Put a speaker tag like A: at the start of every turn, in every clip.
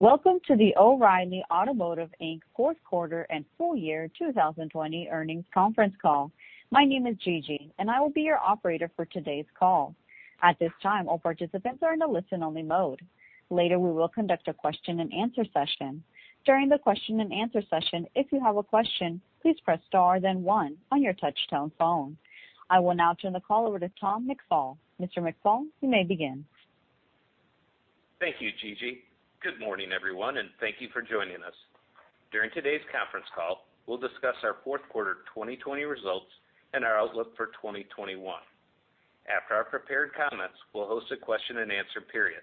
A: Welcome to the O’Reilly Automotive, Inc. fourth quarter and full-year 2020 earnings conference call. My name is Gigi, and I will be your operator for today's call. At this time, all participants are in a listen-only mode. Later, we will conduct a question and answer session. During the question and answer session, if you have a question, please press star then one on your touch-tone phone. I will now turn the call over to Tom McFall. Mr. McFall, you may begin.
B: Thank you, Gigi. Good morning, everyone, and thank you for joining us. During today's conference call, we'll discuss our fourth quarter 2020 results and our outlook for 2021. After our prepared comments, we'll host a question and answer period.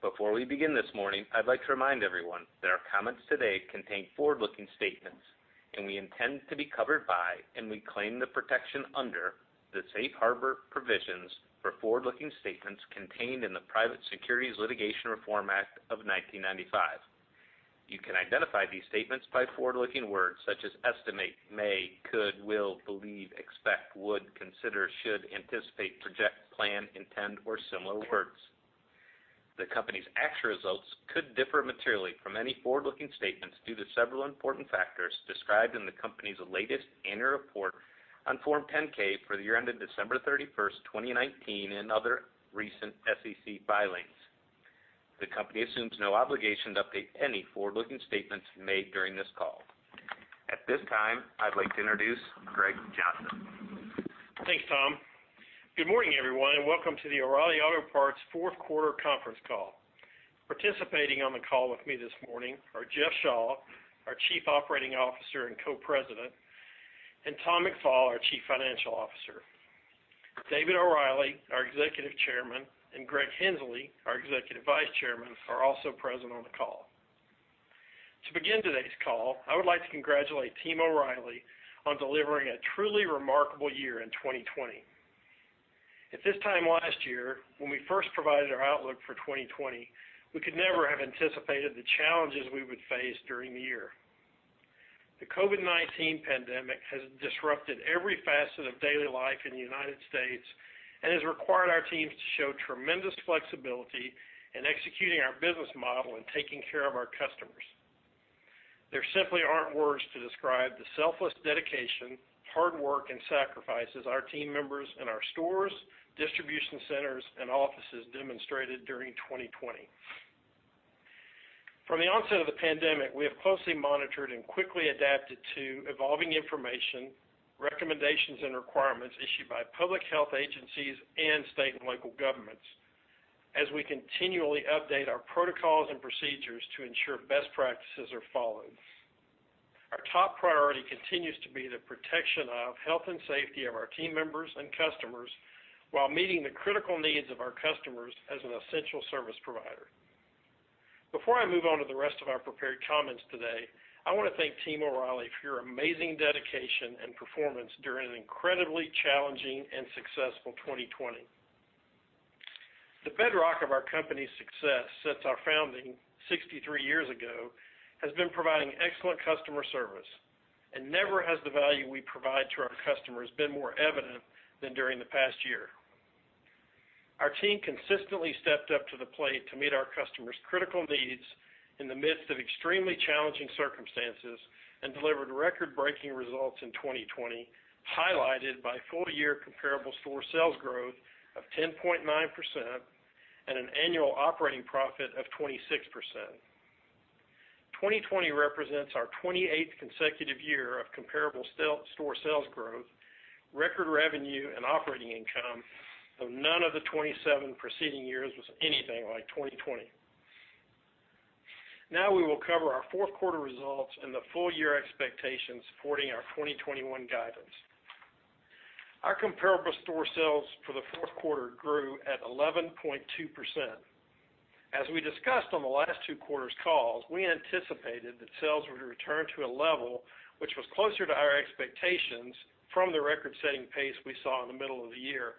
B: Before we begin this morning, I'd like to remind everyone that our comments today contain forward-looking statements, and we intend to be covered by and we claim the protection under the safe harbor provisions for forward-looking statements contained in the Private Securities Litigation Reform Act of 1995. You can identify these statements by forward-looking words such as estimate, may, could, will, believe, expect, would, consider, should, anticipate, project, plan, intend, or similar words. The company's actual results could differ materially from any forward-looking statements due to several important factors described in the company's latest annual report on Form 10-K for the year ended December 31st, 2019, and other recent SEC filings. The company assumes no obligation to update any forward-looking statements made during this call. At this time, I'd like to introduce Greg Johnson.
C: Thanks, Tom. Good morning, everyone, and welcome to the O’Reilly Auto Parts fourth quarter conference call. Participating on the call with me this morning are Jeff Shaw, our Chief Operating Officer and Co-President, and Tom McFall, our Chief Financial Officer. David O’Reilly, our Executive Chairman, and Greg Henslee, our Executive Vice Chairman, are also present on the call. To begin today's call, I would like to congratulate Team O’Reilly on delivering a truly remarkable year in 2020. At this time last year, when we first provided our outlook for 2020, we could never have anticipated the challenges we would face during the year. The COVID-19 pandemic has disrupted every facet of daily life in the United States and has required our team to show tremendous flexibility in executing our business model and taking care of our customers. There simply aren't words to describe the selfless dedication, hard work, and sacrifices our team members in our stores, distribution centers, and offices demonstrated during 2020. From the onset of the pandemic, we have closely monitored and quickly adapted to evolving information, recommendations, and requirements issued by public health agencies and state and local governments, as we continually update our protocols and procedures to ensure best practices are followed. Our top priority continues to be the protection of health and safety of our team members and customers while meeting the critical needs of our customers as an essential service provider. Before I move on to the rest of our prepared comments today, I want to thank Team O'Reilly for your amazing dedication and performance during an incredibly challenging and successful 2020. The bedrock of our company's success since our founding 63 years ago has been providing excellent customer service. Never has the value we provide to our customers been more evident than during the past year. Our team consistently stepped up to the plate to meet our customers' critical needs in the midst of extremely challenging circumstances and delivered record-breaking results in 2020, highlighted by full-year comparable store sales growth of 10.9% and an annual operating profit of 26%. 2020 represents our 28th consecutive year of comparable store sales growth, record revenue, and operating income, though none of the 27 preceding years was anything like 2020. We will cover our fourth quarter results and the full-year expectations supporting our 2021 guidance. Our comparable store sales for the fourth quarter grew at 11.2%. As we discussed on the last two quarters' calls, we anticipated that sales would return to a level which was closer to our expectations from the record-setting pace we saw in the middle of the year.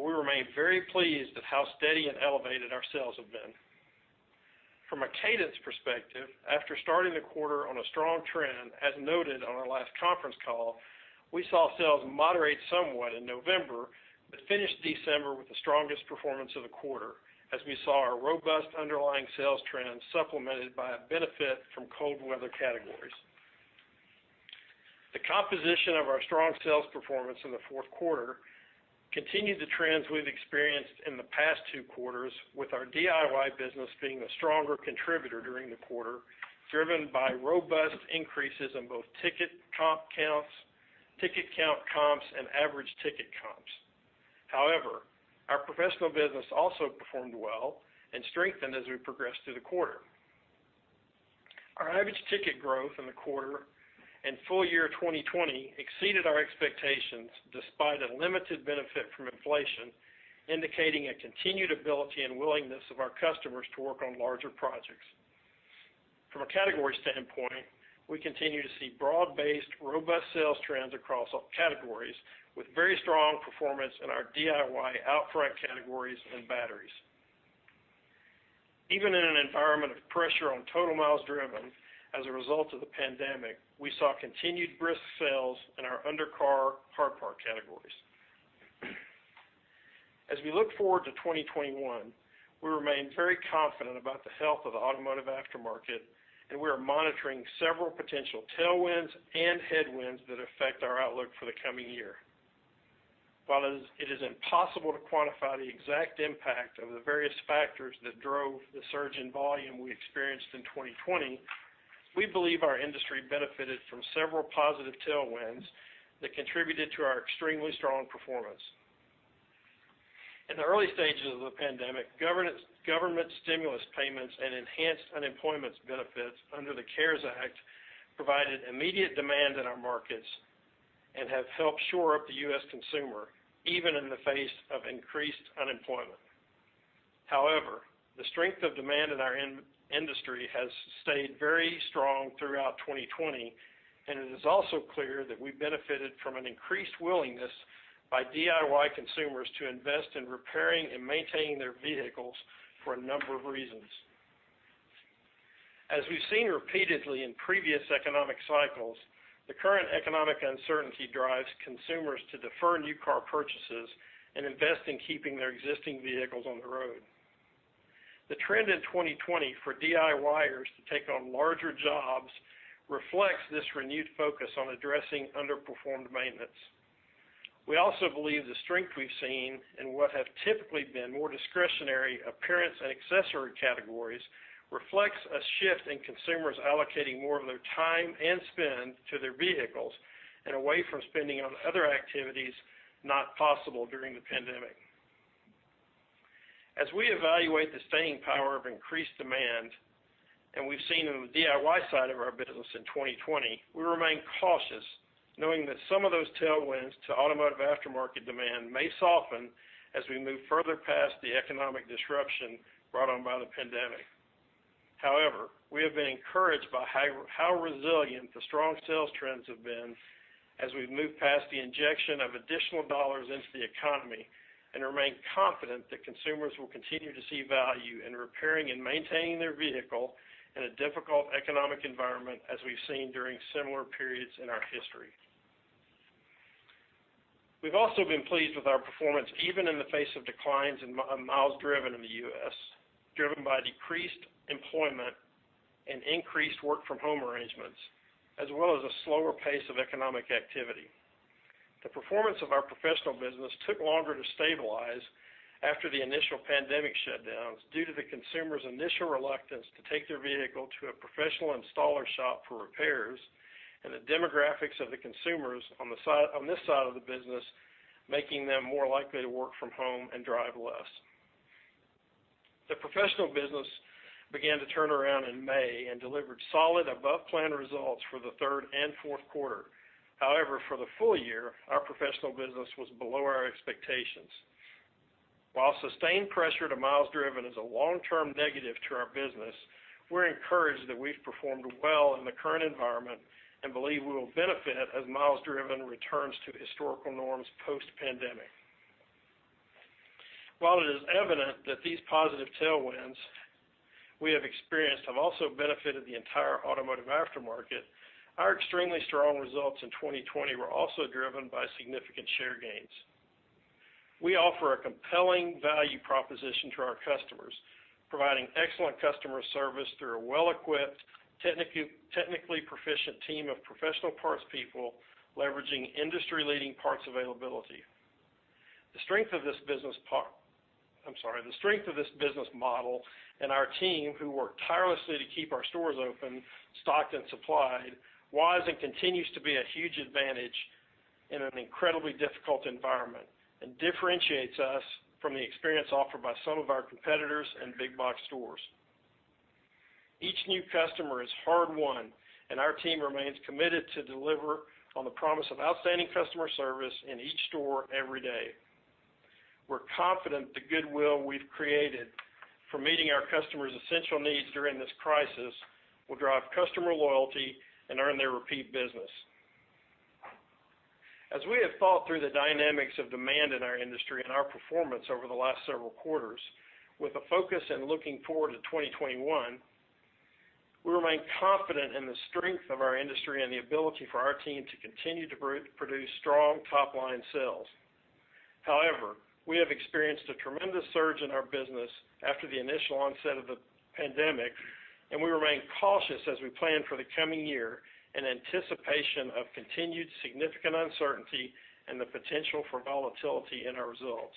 C: We remain very pleased at how steady and elevated our sales have been. From a cadence perspective, after starting the quarter on a strong trend, as noted on our last conference call, we saw sales moderate somewhat in November but finished December with the strongest performance of the quarter as we saw our robust underlying sales trend supplemented by a benefit from cold weather categories. The composition of our strong sales performance in the fourth quarter continued the trends we've experienced in the past two quarters, with our DIY business being the stronger contributor during the quarter, driven by robust increases in both ticket count comps and average ticket comps. However, our professional business also performed well and strengthened as we progressed through the quarter. Our average ticket growth in the quarter and full-year 2020 exceeded our expectations despite a limited benefit from inflation, indicating a continued ability and willingness of our customers to work on larger projects. From a category standpoint, we continue to see broad-based, robust sales trends across all categories, with very strong performance in our DIY outright categories and batteries. Even in an environment of pressure on total miles driven as a result of the pandemic, we saw continued brisk sales in our undercar hard part categories. As we look forward to 2021, we remain very confident about the health of the automotive aftermarket, and we are monitoring several potential tailwinds and headwinds that affect our outlook for the coming year. While it is impossible to quantify the exact impact of the various factors that drove the surge in volume we experienced in 2020, we believe our industry benefited from several positive tailwinds that contributed to our extremely strong performance. In the early stages of the pandemic, government stimulus payments and enhanced unemployment benefits under the CARES Act provided immediate demand in our markets and have helped shore up the U.S. consumer, even in the face of increased unemployment. The strength of demand in our industry has stayed very strong throughout 2020, and it is also clear that we benefited from an increased willingness by DIY consumers to invest in repairing and maintaining their vehicles for a number of reasons. As we've seen repeatedly in previous economic cycles, the current economic uncertainty drives consumers to defer new car purchases and invest in keeping their existing vehicles on the road. The trend in 2020 for DIYers to take on larger jobs reflects this renewed focus on addressing underperformed maintenance. We also believe the strength we've seen in what have typically been more discretionary appearance and accessory categories reflects a shift in consumers allocating more of their time and spend to their vehicles and away from spending on other activities not possible during the pandemic. As we evaluate the staying power of increased demand, and we've seen in the DIY side of our business in 2020, we remain cautious knowing that some of those tailwinds to automotive aftermarket demand may soften as we move further past the economic disruption brought on by the pandemic. However, we have been encouraged by how resilient the strong sales trends have been as we've moved past the injection of additional dollars into the economy and remain confident that consumers will continue to see value in repairing and maintaining their vehicle in a difficult economic environment, as we've seen during similar periods in our history. We've also been pleased with our performance, even in the face of declines in miles driven in the U.S., driven by decreased employment and increased work-from-home arrangements, as well as a slower pace of economic activity. The performance of our professional business took longer to stabilize after the initial pandemic shutdowns due to the consumer's initial reluctance to take their vehicle to a professional installer shop for repairs, and the demographics of the consumers on this side of the business, making them more likely to work from home and drive less. The professional business began to turn around in May and delivered solid above-plan results for the third and fourth quarter. However, for the full-year, our professional business was below our expectations. While sustained pressure to miles driven is a long-term negative to our business, we're encouraged that we've performed well in the current environment and believe we will benefit as miles driven returns to historical norms post-pandemic. While it is evident that these positive tailwinds we have experienced have also benefited the entire automotive aftermarket, our extremely strong results in 2020 were also driven by significant share gains. We offer a compelling value proposition to our customers, providing excellent customer service through a well-equipped, technically proficient team of professional parts people, leveraging industry-leading parts availability. The strength of this business model, and our team who work tirelessly to keep our stores open, stocked, and supplied, was and continues to be a huge advantage in an incredibly difficult environment and differentiates us from the experience offered by some of our competitors and big box stores. Each new customer is hard-won, and our team remains committed to deliver on the promise of outstanding customer service in each store every day. We're confident the goodwill we've created for meeting our customers' essential needs during this crisis will drive customer loyalty and earn their repeat business. As we have thought through the dynamics of demand in our industry and our performance over the last several quarters with a focus in looking forward to 2021, we remain confident in the strength of our industry and the ability for our team to continue to produce strong top-line sales. We have experienced a tremendous surge in our business after the initial onset of the pandemic, and we remain cautious as we plan for the coming year in anticipation of continued significant uncertainty and the potential for volatility in our results.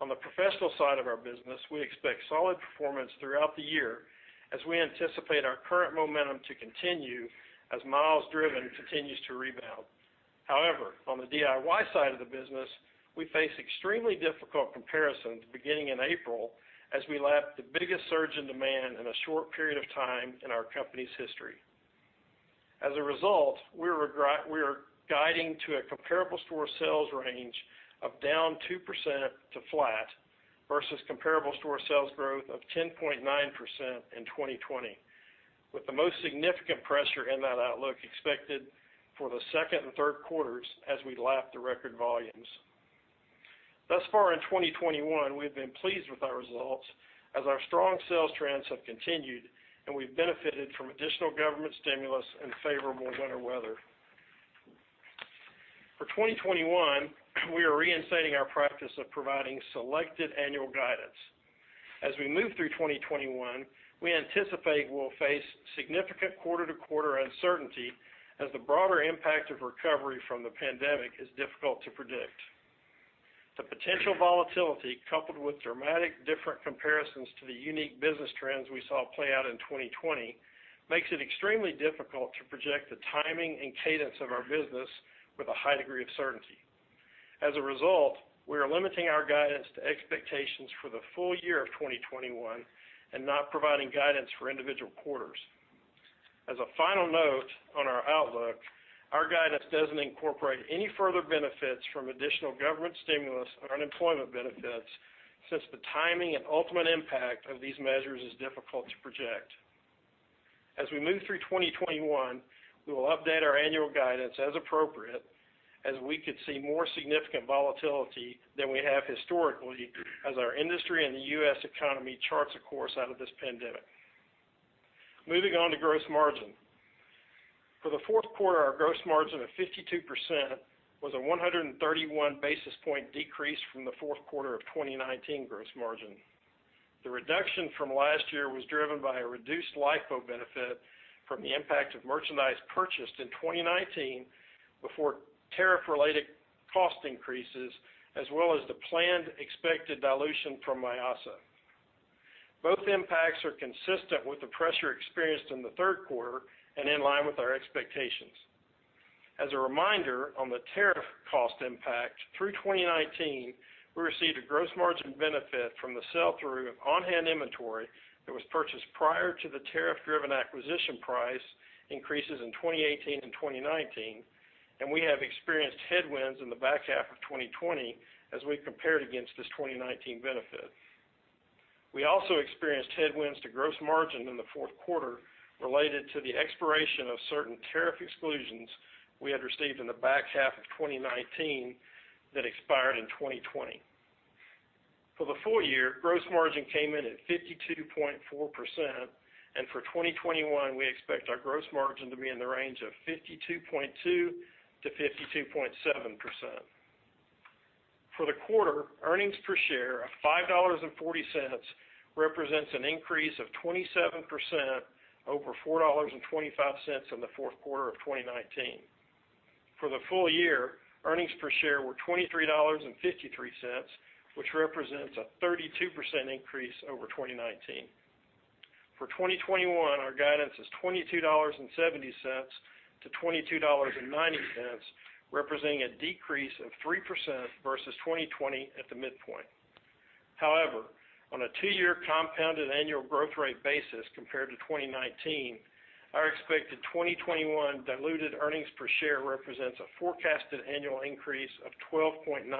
C: On the professional side of our business, we expect solid performance throughout the year as we anticipate our current momentum to continue as miles driven continues to rebound. On the DIY side of the business, we face extremely difficult comparisons beginning in April as we lap the biggest surge in demand in a short period of time in our company's history. As a result, we are guiding to a comparable store sales range of down 2% to flat versus comparable store sales growth of 10.9% in 2020, with the most significant pressure in that outlook expected for the second and third quarters as we lap the record volumes. Thus far in 2021, we've been pleased with our results as our strong sales trends have continued, and we've benefited from additional government stimulus and favorable winter weather. For 2021, we are reinstating our practice of providing selected annual guidance. As we move through 2021, we anticipate we'll face significant quarter-to-quarter uncertainty as the broader impact of recovery from the pandemic is difficult to predict. The potential volatility, coupled with dramatic different comparisons to the unique business trends we saw play out in 2020, makes it extremely difficult to project the timing and cadence of our business with a high degree of certainty. As a result, we are limiting our guidance to expectations for the full-year of 2021 and not providing guidance for individual quarters. As a final note on our outlook, our guidance doesn't incorporate any further benefits from additional government stimulus or unemployment benefits, since the timing and ultimate impact of these measures is difficult to project. As we move through 2021, we will update our annual guidance as appropriate, as we could see more significant volatility than we have historically as our industry and the U.S. economy charts a course out of this pandemic. Moving on to gross margin. For the fourth quarter, our gross margin of 52% was a 131 basis point decrease from the fourth quarter of 2019 gross margin. The reduction from last year was driven by a reduced LIFO benefit from the impact of merchandise purchased in 2019 before tariff related cost increases, as well as the planned expected dilution from Mayasa. Both impacts are consistent with the pressure experienced in the third quarter and in line with our expectations. As a reminder on the tariff cost impact, through 2019, we received a gross margin benefit from the sell-through of on-hand inventory that was purchased prior to the tariff-driven acquisition price increases in 2018 and 2019, and we have experienced headwinds in the back half of 2020 as we compared against this 2019 benefit. We also experienced headwinds to gross margin in the fourth quarter related to the expiration of certain tariff exclusions we had received in the back half of 2019 that expired in 2020. For the full-year, gross margin came in at 52.4%, and for 2021, we expect our gross margin to be in the range of 52.2%-52.7%. For the quarter, earnings per share of $5.40 represents an increase of 27% over $4.25 in the fourth quarter of 2019. For the full-year, earnings per share were $23.53, which represents a 32% increase over 2019. For 2021, our guidance is $22.70-$22.90, representing a decrease of 3% versus 2020 at the midpoint. However, on a two-year compounded annual growth rate basis compared to 2019, our expected 2021 diluted earnings per share represents a forecasted annual increase of 12.9%.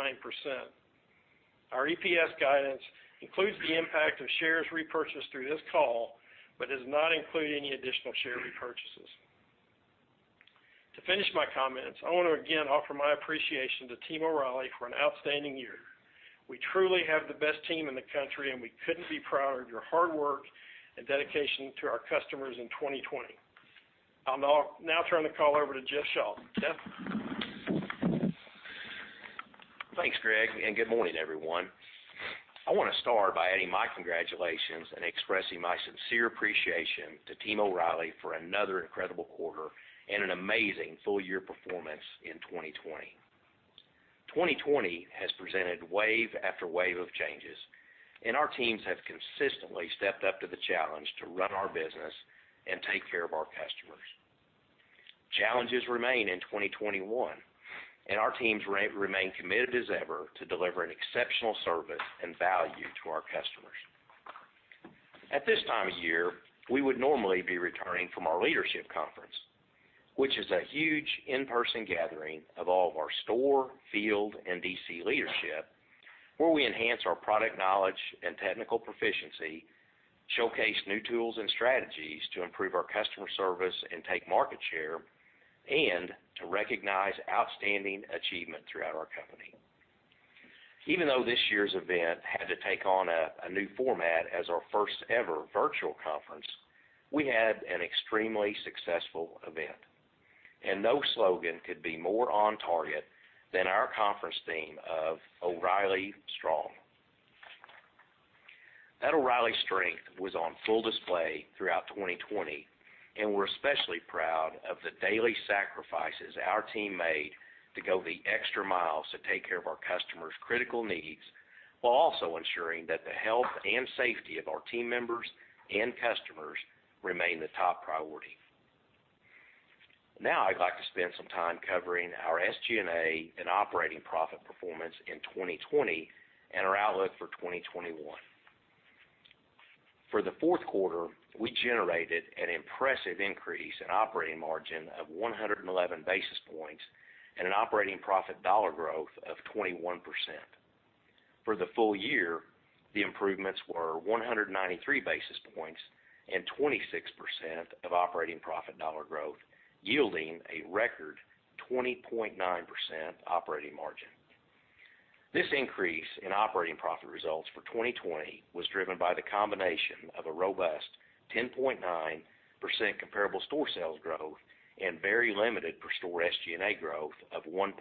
C: Our EPS guidance includes the impact of shares repurchased through this call but does not include any additional share repurchases. To finish my comments, I want to again offer my appreciation to Team O’Reilly for an outstanding year. We truly have the best team in the country, and we couldn't be prouder of your hard work and dedication to our customers in 2020. I'll now turn the call over to Jeff Shaw. Jeff?
D: Thanks, Greg. Good morning, everyone. I want to start by adding my congratulations and expressing my sincere appreciation to Team O’Reilly for another incredible quarter and an amazing full-year performance in 2020. 2020 has presented wave after wave of changes. Our teams have consistently stepped up to the challenge to run our business and take care of our customers. Challenges remain in 2021. Our teams remain committed as ever to delivering exceptional service and value to our customers. At this time of year, we would normally be returning from our leadership conference, which is a huge in-person gathering of all of our store, field, and DC leadership, where we enhance our product knowledge and technical proficiency, showcase new tools and strategies to improve our customer service and take market share, and to recognize outstanding achievement throughout our company. Even though this year's event had to take on a new format as our first ever virtual conference, we had an extremely successful event. No slogan could be more on target than our conference theme of O’Reilly Strong. That O’Reilly strength was on full display throughout 2020, and we're especially proud of the daily sacrifices our team made to go the extra mile to take care of our customers' critical needs, while also ensuring that the health and safety of our team members and customers remain the top priority. I'd like to spend some time covering our SG&A and operating profit performance in 2020 and our outlook for 2021. For the fourth quarter, we generated an impressive increase in operating margin of 111 basis points and an operating profit dollar growth of 21%. For the full-year, the improvements were 193 basis points and 26% of operating profit dollar growth, yielding a record 20.9% operating margin. This increase in operating profit results for 2020 was driven by the combination of a robust 10.9% comparable store sales growth and very limited per store SG&A growth of 1.2%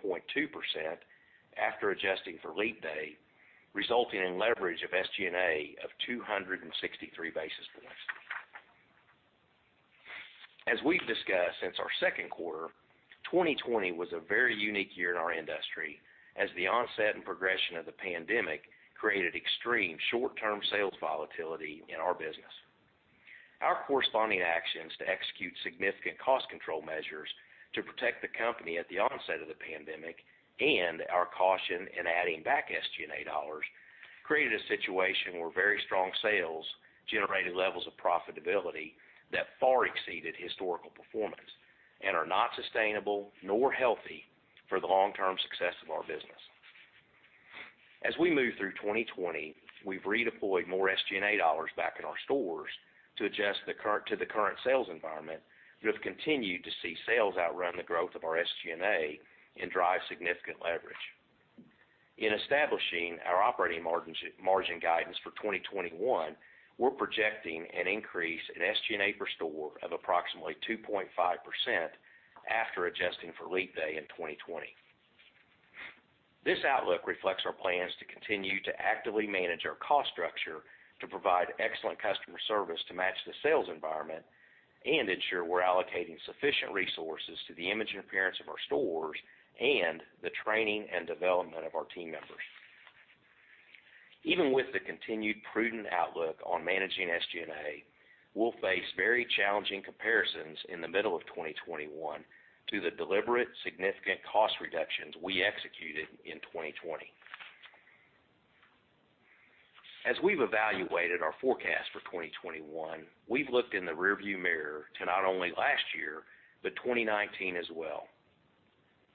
D: after adjusting for leap day, resulting in leverage of SG&A of 263 basis points. As we've discussed since our second quarter, 2020 was a very unique year in our industry as the onset and progression of the pandemic created extreme short-term sales volatility in our business. Our corresponding actions to execute significant cost control measures to protect the company at the onset of the pandemic and our caution in adding back SG&A dollars created a situation where very strong sales generated levels of profitability that far exceeded historical performance and are not sustainable nor healthy for the long-term success of our business. As we move through 2020, we've redeployed more SG&A dollars back in our stores to adjust to the current sales environment. We have continued to see sales outrun the growth of our SG&A and drive significant leverage. In establishing our operating margin guidance for 2021, we're projecting an increase in SG&A per store of approximately 2.5% after adjusting for leap day in 2020. This outlook reflects our plans to continue to actively manage our cost structure to provide excellent customer service to match the sales environment and ensure we're allocating sufficient resources to the image and appearance of our stores and the training and development of our team members. Even with the continued prudent outlook on managing SG&A, we'll face very challenging comparisons in the middle of 2021 to the deliberate, significant cost reductions we executed in 2020. As we've evaluated our forecast for 2021, we've looked in the rear view mirror to not only last year, but 2019 as well.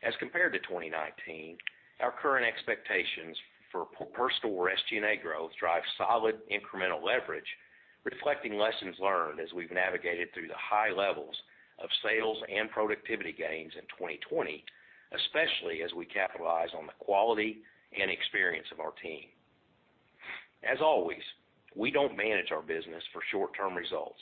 D: As compared to 2019, our current expectations for per store SG&A growth drive solid incremental leverage, reflecting lessons learned as we've navigated through the high levels of sales and productivity gains in 2020, especially as we capitalize on the quality and experience of our team. As always, we don't manage our business for short-term results,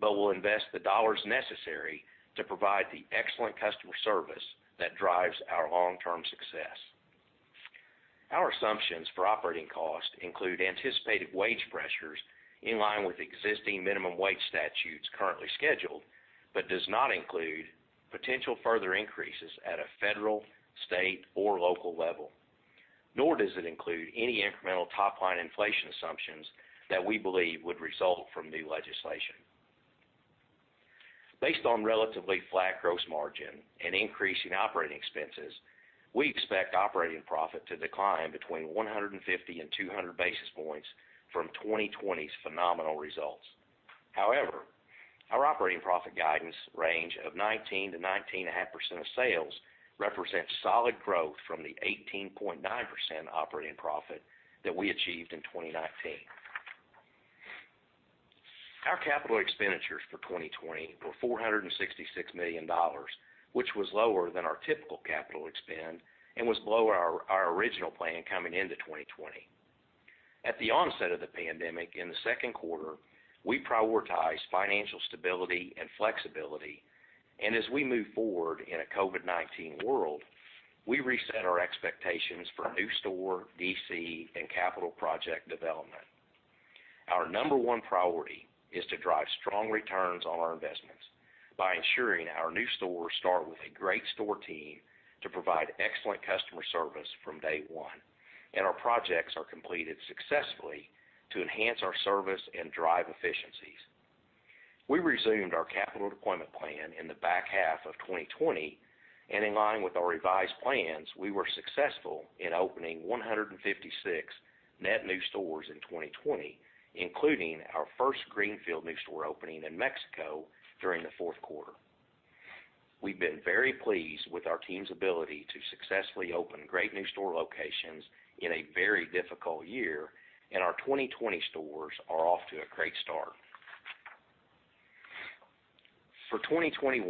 D: but we'll invest the dollars necessary to provide the excellent customer service that drives our long-term success. Our assumptions for operating cost include anticipated wage pressures in line with existing minimum wage statutes currently scheduled, but does not include potential further increases at a federal, state, or local level, nor does it include any incremental top-line inflation assumptions that we believe would result from new legislation. Based on relatively flat gross margin and increasing operating expenses, we expect operating profit to decline between 150 basis points and 200 basis points from 2020's phenomenal results. However, our operating profit guidance range of 19%-19.5% of sales represents solid growth from the 18.9% operating profit that we achieved in 2019. Our capital expenditures for 2020 were $466 million, which was lower than our typical capital expend and was below our original plan coming into 2020. At the onset of the pandemic in the second quarter, we prioritized financial stability and flexibility, as we move forward in a COVID-19 world, we reset our expectations for new store, DC, and capital project development. Our number one priority is to drive strong returns on our investments by ensuring our new stores start with a great store team to provide excellent customer service from day one, our projects are completed successfully to enhance our service and drive efficiencies. We resumed our capital deployment plan in the back half of 2020, in line with our revised plans, we were successful in opening 156 net new stores in 2020, including our first greenfield new store opening in Mexico during the fourth quarter. We've been very pleased with our team's ability to successfully open great new store locations in a very difficult year, and our 2020 stores are off to a great start. For 2021,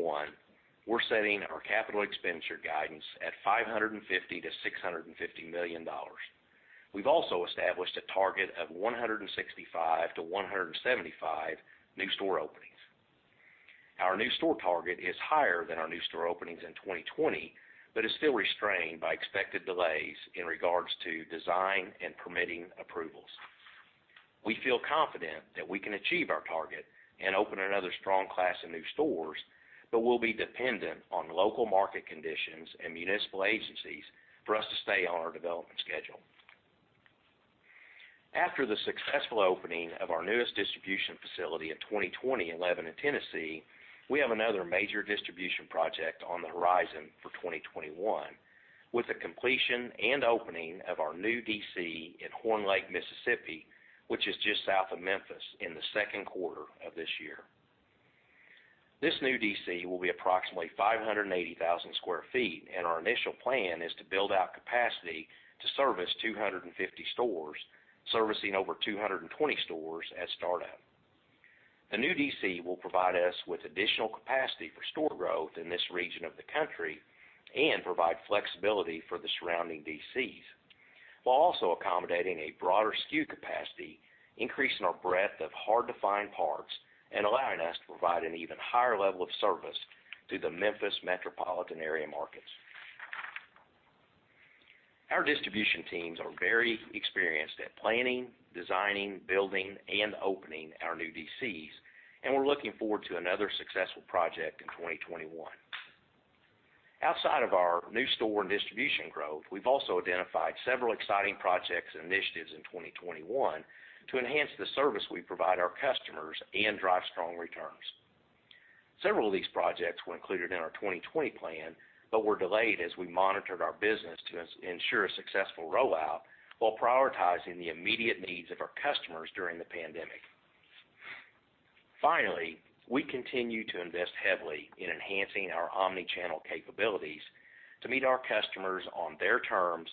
D: we're setting our capital expenditure guidance at $550 million-$650 million. We've also established a target of 165-175 new store openings. Our new store target is higher than our new store openings in 2020, but is still restrained by expected delays in regards to design and permitting approvals. We feel confident that we can achieve our target and open another strong class of new stores, but we'll be dependent on local market conditions and municipal agencies for us to stay on our development schedule. After the successful opening of our newest distribution facility in 2020 in Lebanon, Tennessee, we have another major distribution project on the horizon for 2021 with the completion and opening of our new DC in Horn Lake, Mississippi, which is just south of Memphis, in the second quarter of this year. This new DC will be approximately 580,000 sq ft, and our initial plan is to build out capacity to service 250 stores, servicing over 220 stores at startup. The new DC will provide us with additional capacity for store growth in this region of the country and provide flexibility for the surrounding DCs, while also accommodating a broader SKU capacity, increasing our breadth of hard-to-find parts, and allowing us to provide an even higher level of service to the Memphis metropolitan area markets. Our distribution teams are very experienced at planning, designing, building, and opening our new DCs, and we're looking forward to another successful project in 2021. Outside of our new store and distribution growth, we've also identified several exciting projects and initiatives in 2021 to enhance the service we provide our customers and drive strong returns. Several of these projects were included in our 2020 plan, but were delayed as we monitored our business to ensure a successful rollout while prioritizing the immediate needs of our customers during the pandemic. Finally, we continue to invest heavily in enhancing our omni-channel capabilities to meet our customers on their terms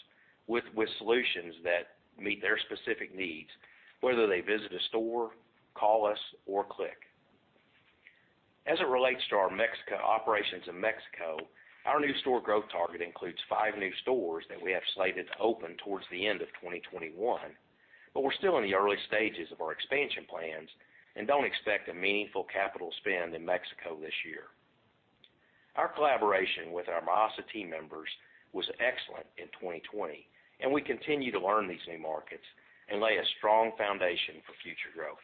D: with solutions that meet their specific needs, whether they visit a store, call us, or click. As it relates to our operations in Mexico, our new store growth target includes five new stores that we have slated to open towards the end of 2021. We're still in the early stages of our expansion plans and don't expect a meaningful capital spend in Mexico this year. Our collaboration with our Mayasa team members was excellent in 2020. We continue to learn these new markets and lay a strong foundation for future growth.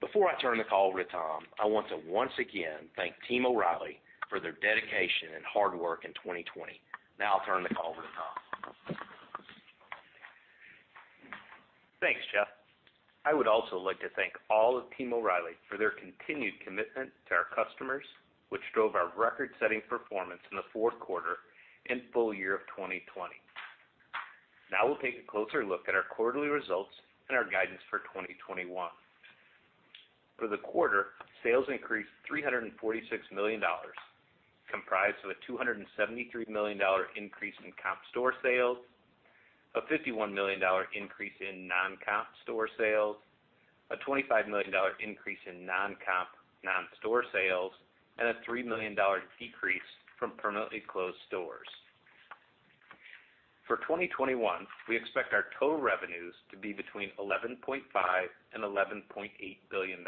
D: Before I turn the call over to Tom, I want to once again thank Team O’Reilly for their dedication and hard work in 2020. Now I'll turn the call over to Tom.
B: Thanks, Jeff. I would also like to thank all of Team O’Reilly for their continued commitment to our customers, which drove our record-setting performance in the fourth quarter and full-year of 2020. We'll take a closer look at our quarterly results and our guidance for 2021. For the quarter, sales increased $346 million, comprised of a $273 million increase in comp store sales, a $51 million increase in non-comp store sales, a $25 million increase in non-comp non-store sales, and a $3 million decrease from permanently closed stores. For 2021, we expect our total revenues to be between $11.5 billion and $11.8 billion.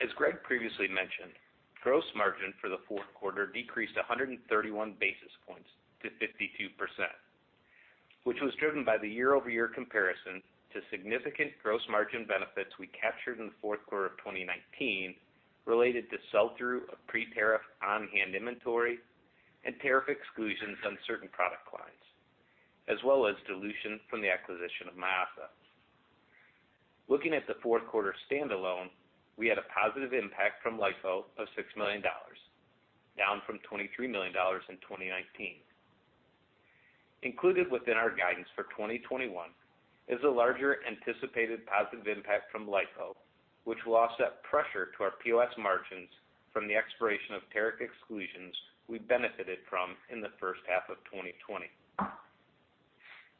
B: As Greg previously mentioned, gross margin for the fourth quarter decreased 131 basis points to 52%, which was driven by the year-over-year comparison to significant gross margin benefits we captured in the fourth quarter of 2019 related to sell-through of pre-tariff on-hand inventory and tariff exclusions on certain product lines, as well as dilution from the acquisition of Mayasa. Looking at the fourth quarter standalone, we had a positive impact from LIFO of $6 million, down from $23 million in 2019. Included within our guidance for 2021 is a larger anticipated positive impact from LIFO, which will offset pressure to our POS margins from the expiration of tariff exclusions we benefited from in the first half of 2020.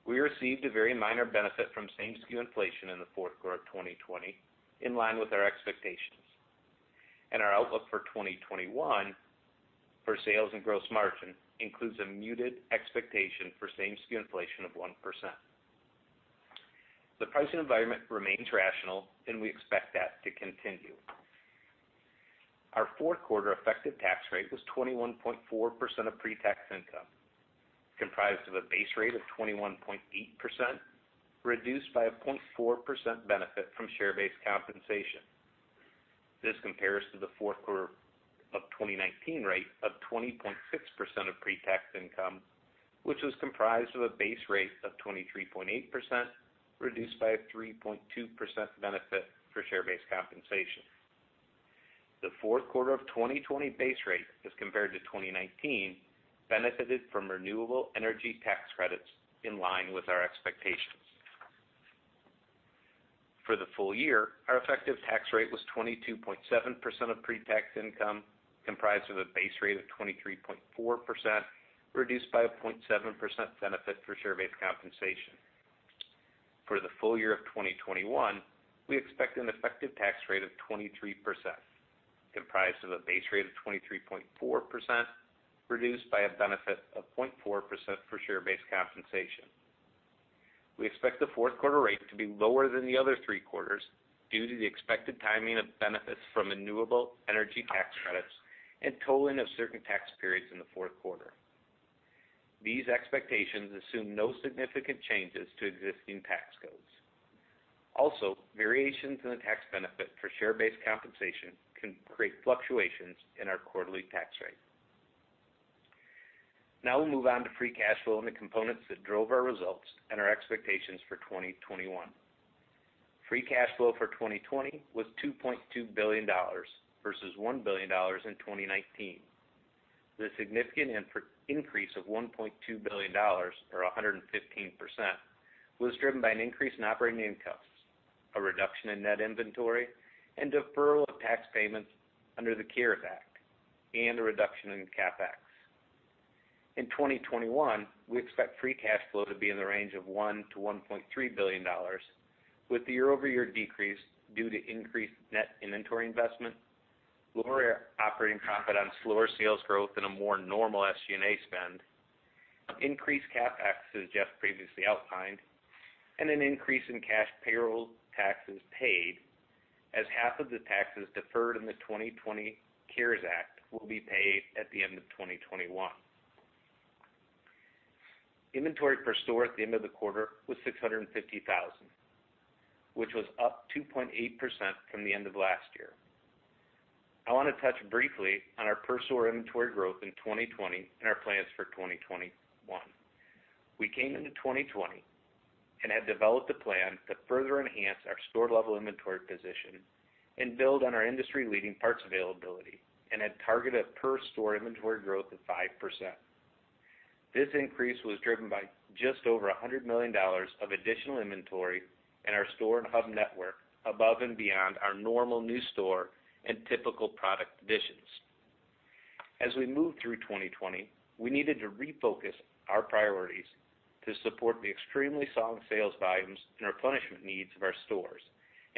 B: We received a very minor benefit from same-SKU inflation in the fourth quarter of 2020, in line with our expectations. Our outlook for 2021 for sales and gross margin includes a muted expectation for same-SKU inflation of 1%. The pricing environment remains rational, and we expect that to continue. Our fourth quarter effective tax rate was 21.4% of pre-tax income, comprised of a base rate of 21.8%, reduced by a 0.4% benefit from share-based compensation. This compares to the fourth quarter of 2019 rate of 20.6% of pre-tax income, which was comprised of a base rate of 23.8%, reduced by a 3.2% benefit for share-based compensation. The fourth quarter of 2020 base rate, as compared to 2019, benefited from renewable energy tax credits in line with our expectations. For the full-year, our effective tax rate was 22.7% of pre-tax income, comprised of a base rate of 23.4%, reduced by a 0.7% benefit for share-based compensation. For the full-year of 2021, we expect an effective tax rate of 23%, comprised of a base rate of 23.4%, reduced by a benefit of 0.4% for share-based compensation. We expect the fourth quarter rate to be lower than the other three quarters due to the expected timing of benefits from renewable energy tax credits and tolling of certain tax periods in the fourth quarter. These expectations assume no significant changes to existing tax codes. Also, variations in the tax benefit for share-based compensation can create fluctuations in our quarterly tax rate. Now we'll move on to free cash flow and the components that drove our results and our expectations for 2021. Free cash flow for 2020 was $2.2 billion versus $1 billion in 2019. The significant increase of $1.2 billion or 115% was driven by an increase in operating incomes, a reduction in net inventory, deferral of tax payments under the CARES Act, and a reduction in CapEx. In 2021, we expect free cash flow to be in the range of $1 billion-$1.3 billion, with the year-over-year decrease due to increased net inventory investment, lower operating profit on slower sales growth, a more normal SG&A spend, increased CapEx as Jeff previously outlined, and an increase in cash payroll taxes paid as half of the taxes deferred in the 2020 CARES Act will be paid at the end of 2021. Inventory per store at the end of the quarter was 650,000, which was up 2.8% from the end of last year. I want to touch briefly on our per store inventory growth in 2020 and our plans for 2021. We came into 2020 and had developed a plan to further enhance our store-level inventory position and build on our industry-leading parts availability and had targeted per store inventory growth of 5%. This increase was driven by just over $100 million of additional inventory in our store and hub network above and beyond our normal new store and typical product additions. As we moved through 2020, we needed to refocus our priorities to support the extremely strong sales volumes and replenishment needs of our stores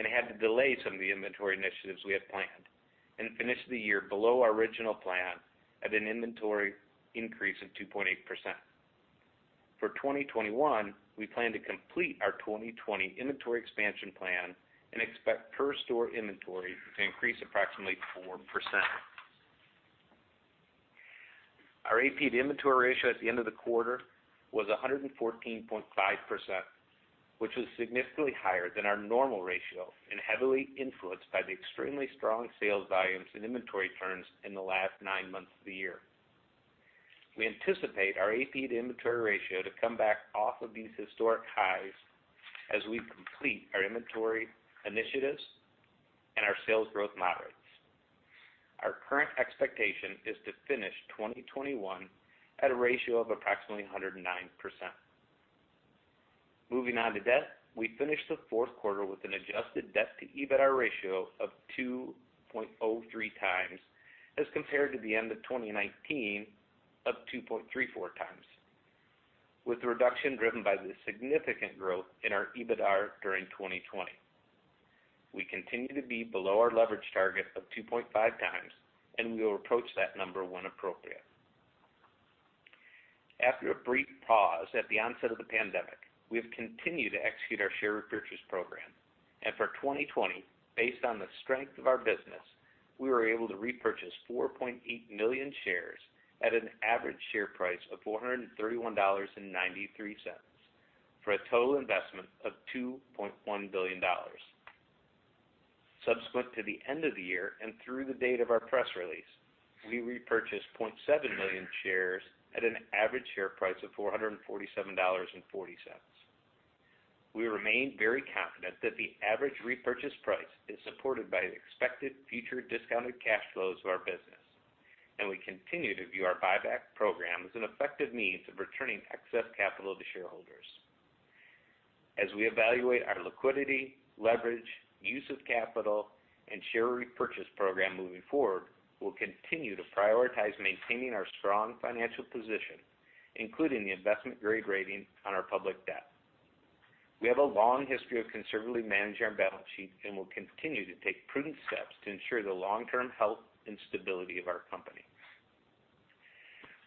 B: and had to delay some of the inventory initiatives we had planned and finished the year below our original plan at an inventory increase of 2.8%. For 2021, we plan to complete our 2020 inventory expansion plan and expect per store inventory to increase approximately 4%. Our AP to inventory ratio at the end of the quarter was 114.5%, which was significantly higher than our normal ratio and heavily influenced by the extremely strong sales volumes and inventory turns in the last nine months of the year. We anticipate our AP to inventory ratio to come back off of these historic highs as we complete our inventory initiatives and our sales growth moderates. Our current expectation is to finish 2021 at a ratio of approximately 109%. Moving on to debt. We finished the fourth quarter with an adjusted debt to EBITDA ratio of 2.03x as compared to the end of 2019 of 2.34x, with the reduction driven by the significant growth in our EBITDA during 2020. We continue to be below our leverage target of 2.5x, and we will approach that number when appropriate. After a brief pause at the onset of the pandemic, we have continued to execute our share repurchase program. For 2020, based on the strength of our business, we were able to repurchase 4.8 million shares at an average share price of $431.93 for a total investment of $2.1 billion. Subsequent to the end of the year and through the date of our press release, we repurchased 0.7 million shares at an average share price of $447.40. We remain very confident that the average repurchase price is supported by the expected future discounted cash flows of our business, and we continue to view our buyback program as an effective means of returning excess capital to shareholders. As we evaluate our liquidity, leverage, use of capital, and share repurchase program moving forward, we'll continue to prioritize maintaining our strong financial position, including the investment-grade rating on our public debt. We have a long history of conservatively managing our balance sheet and will continue to take prudent steps to ensure the long-term health and stability of our company.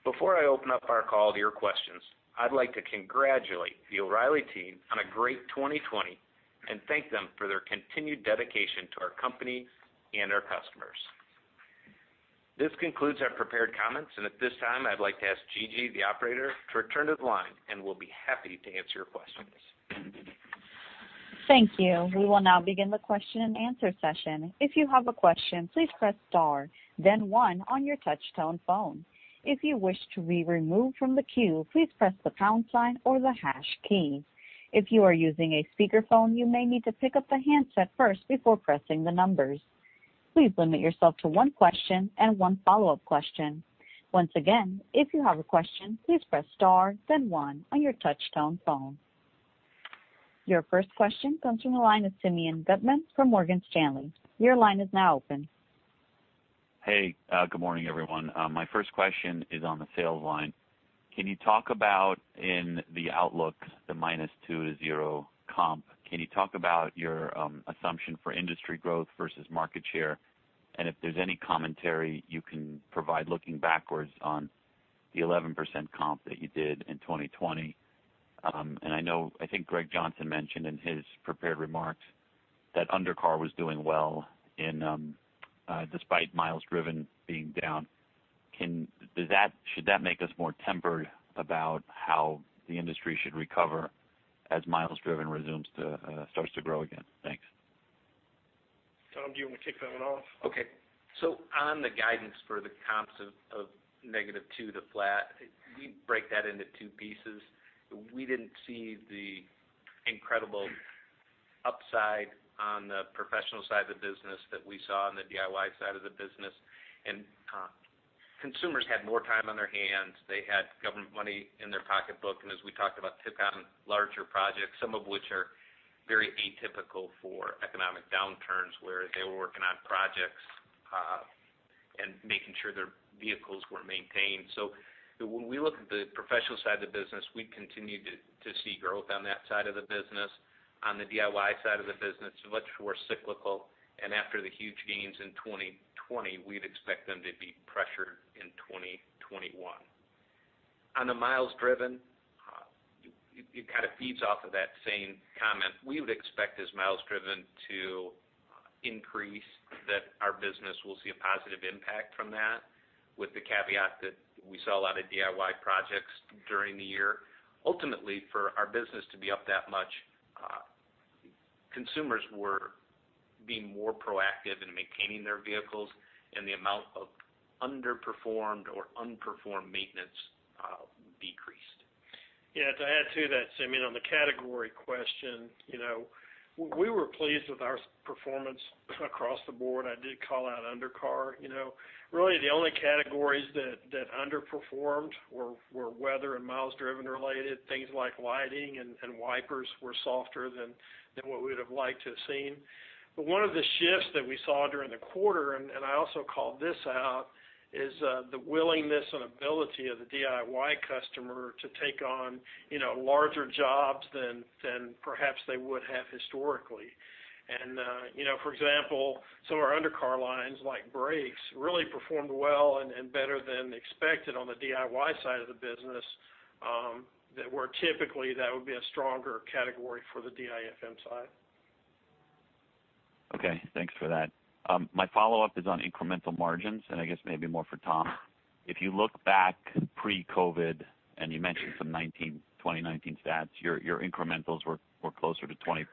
B: Before I open up our call to your questions, I'd like to congratulate the O'Reilly team on a great 2020 and thank them for their continued dedication to our company and our customers. This concludes our prepared comments, and at this time, I'd like to ask Gigi, the operator, to return to the line, and we'll be happy to answer your questions.
A: Thank you. We will now begin the question and answer session. If you have a question, please press star then one on your touch tone phone. If you wish to be removed from the queue, please press the pound sign or the hash key. If you are using a speakerphone, you may need to pick up the handset first before pressing the numbers. Please limit yourself to one question and one follow-up question. Once again, if you have a question, please press star then one on your touch tone phone. Your first question comes from the line of Simeon Gutman from Morgan Stanley. Your line is now open.
E: Hey, good morning, everyone. My first question is on the sales line. In the outlook, the -2% to 0% comp, can you talk about your assumption for industry growth versus market share? If there's any commentary you can provide looking backwards on the 11% comp that you did in 2020. I think Greg Johnson mentioned in his prepared remarks that undercar was doing well despite miles driven being down. Should that make us more tempered about how the industry should recover as miles driven starts to grow again? Thanks.
C: Tom, do you want me to kick that one off?
B: Okay. On the guidance for the comps of -2% to flat, we break that into two pieces. We didn't see the incredible upside on the professional side of the business that we saw on the DIY side of the business. Consumers had more time on their hands. They had government money in their pocketbook. As we talked about, took on larger projects, some of which are very atypical for economic downturns, where they were working on projects and making sure their vehicles were maintained. When we look at the professional side of the business, we continue to see growth on that side of the business. On the DIY side of the business, it's much more cyclical. After the huge gains in 2020, we'd expect them to be pressured in 2021. On the miles driven, it kind of feeds off of that same comment. We would expect as miles driven to increase, that our business will see a positive impact from that, with the caveat that we sell a lot of DIY projects during the year. Ultimately, for our business to be up that much, consumers were being more proactive in maintaining their vehicles, and the amount of underperformed or unperformed maintenance decreased.
C: Yeah. To add to that, on the category question, we were pleased with our performance across the board. I did call out undercar. Really, the only categories that underperformed were weather and miles driven related. Things like lighting and wipers were softer than what we would've liked to have seen. One of the shifts that we saw during the quarter, and I also called this out, is the willingness and ability of the DIY customer to take on larger jobs than perhaps they would have historically. For example, some of our undercar lines, like brakes, really performed well and better than expected on the DIY side of the business, that were typically, that would be a stronger category for the DIFM side.
E: Okay. Thanks for that. My follow-up is on incremental margins, and I guess maybe more for Tom. If you look back pre-COVID-19, and you mentioned some 2019 stats, your incrementals were closer to 20%.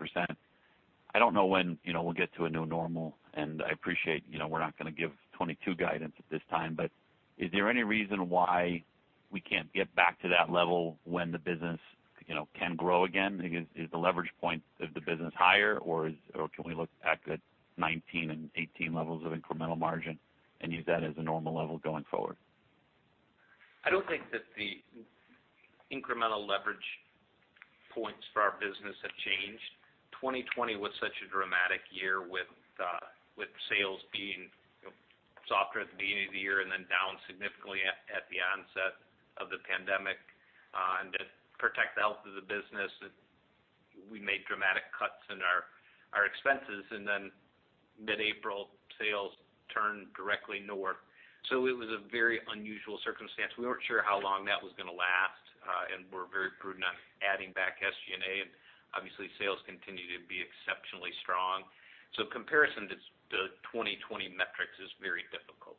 E: I don't know when we'll get to a new normal, and I appreciate we're not going to give 2022 guidance at this time, but is there any reason why we can't get back to that level when the business can grow again? Is the leverage point of the business higher, or can we look back at 2019 and 2018 levels of incremental margin and use that as a normal level going forward?
B: I don't think that the incremental leverage points for our business have changed. 2020 was such a dramatic year with sales being softer at the beginning of the year then down significantly at the onset of the pandemic. To protect the health of the business, we made dramatic cuts in our expenses, then mid-April, sales turned directly northward. It was a very unusual circumstance. We weren't sure how long that was going to last, and we're very prudent on adding back SG&A, and obviously, sales continue to be exceptionally strong. Comparison to 2020 metrics is very difficult.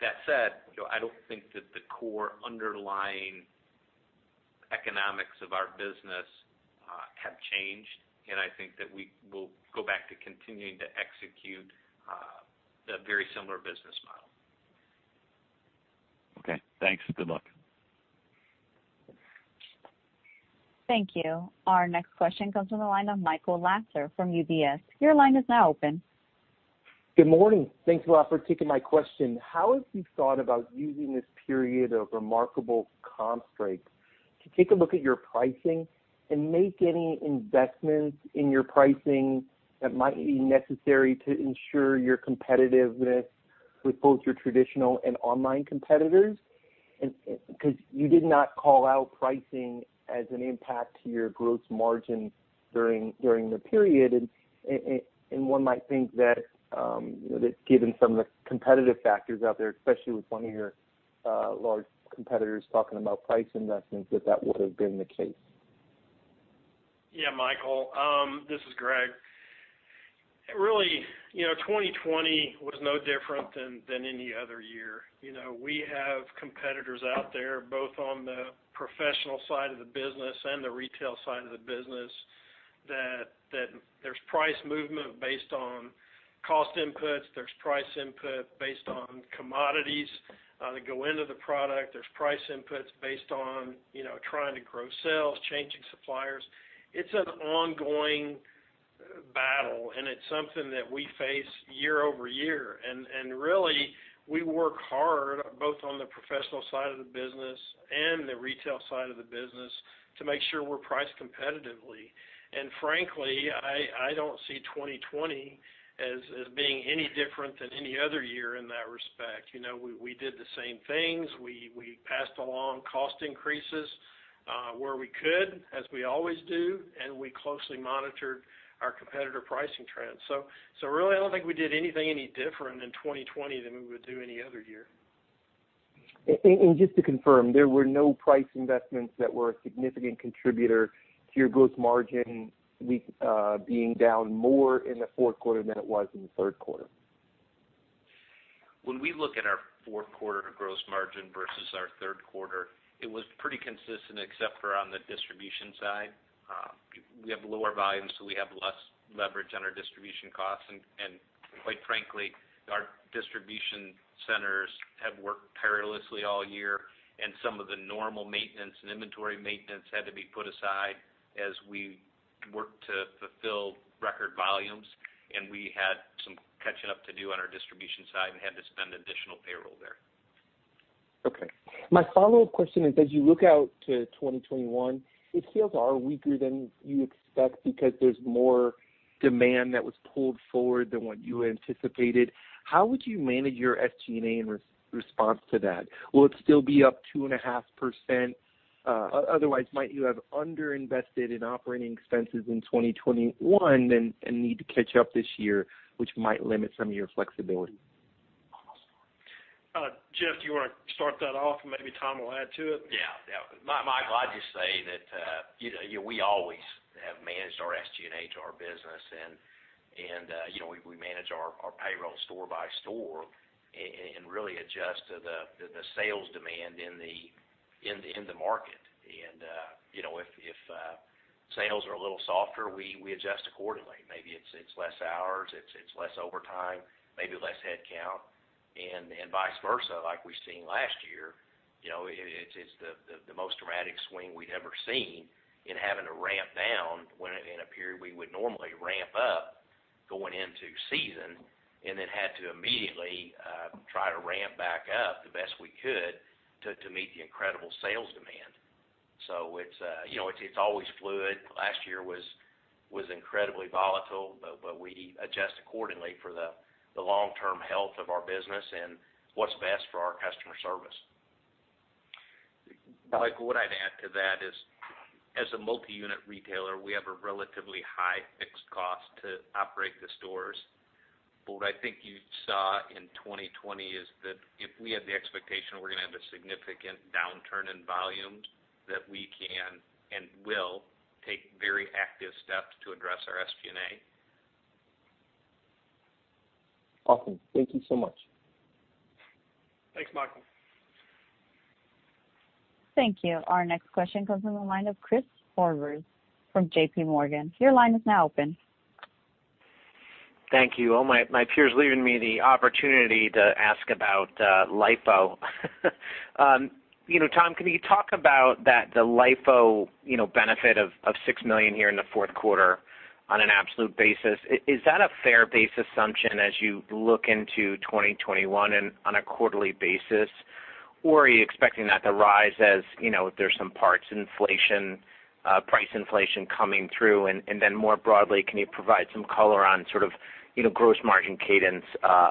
B: I don't think that the core underlying economics of our business have changed, and I think that we will go back to continuing to execute a very similar business model.
E: Okay. Thanks. Good luck.
A: Thank you. Our next question comes from the line of Michael Lasser from UBS. Your line is now open.
F: Good morning. Thanks a lot for taking my question. How have you thought about using this period of remarkable comp strength to take a look at your pricing and make any investments in your pricing that might be necessary to ensure your competitiveness with both your traditional and online competitors? Because you did not call out pricing as an impact to your gross margin during the period, and one might think that given some of the competitive factors out there, especially with one of your large competitors talking about price investments, that that would've been the case.
C: Michael, this is Greg. 2020 was no different than any other year. We have competitors out there, both on the professional side of the business and the retail side of the business, that there's price movement based on cost inputs, there's price input based on commodities that go into the product, there's price inputs based on trying to grow sales, changing suppliers. It's an ongoing battle, and it's something that we face year-over-year. We work hard, both on the professional side of the business and the retail side of the business, to make sure we're priced competitively. Frankly, I don't see 2020 as being any different than any other year in that respect. We did the same things. We passed along cost increases where we could, as we always do, and we closely monitored our competitor pricing trends. Really, I don't think we did anything any different in 2020 than we would do any other year.
F: Just to confirm, there were no price investments that were a significant contributor to your gross margin being down more in the fourth quarter than it was in the third quarter?
B: When we look at our fourth quarter gross margin versus our third quarter, it was pretty consistent except for on the distribution side. We have lower volumes, so we have less leverage on our distribution costs, and quite frankly, our distribution centers have worked tirelessly all year, and some of the normal maintenance and inventory maintenance had to be put aside as we worked to fulfill record volumes, and we had some catching up to do on our distribution side and had to spend additional payroll there.
F: My follow-up question is, as you look out to 2021, if sales are weaker than you expect because there's more demand that was pulled forward than what you anticipated, how would you manage your SG&A in response to that? Will it still be up 2.5%? Otherwise, might you have under-invested in operating expenses in 2021 and need to catch up this year, which might limit some of your flexibility?
C: Jeff, do you want to start that off and maybe Tom will add to it?
D: Yeah. Michael, I'd just say that we always have managed our SG&A to our business, and we manage our payroll store by store and really adjust to the sales demand in the market. If sales are a little softer, we adjust accordingly. Maybe it's less hours, it's less overtime, maybe less headcount, and vice versa like we've seen last year. It's the most dramatic swing we'd ever seen in having to ramp down when in a period we would normally ramp up going into season, and then had to immediately try to ramp back up the best we could to meet the incredible sales demand. It's always fluid. Last year was incredibly volatile, we adjust accordingly for the long-term health of our business and what's best for our customer service.
B: Michael, what I'd add to that is, as a multi-unit retailer, we have a relatively high fixed cost to operate the stores. What I think you saw in 2020 is that if we have the expectation we're going to have a significant downturn in volumes, that we can and will take very active steps to address our SG&A.
F: Awesome. Thank you so much.
C: Thanks, Michael.
A: Thank you. Our next question comes from the line of Chris Horvers from JPMorgan. Your line is now open.
G: Thank you. All my peers are leaving me the opportunity to ask about LIFO. Tom, can you talk about that, the LIFO benefit of $6 million here in the fourth quarter on an absolute basis? Is that a fair base assumption as you look into 2021 and on a quarterly basis, or are you expecting that to rise as there's some parts inflation, price inflation coming through? More broadly, can you provide some color on sort of gross margin cadence